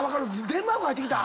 デンマーク入ってきた？